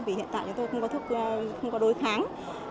vì hiện tại chúng tôi không có đối kháng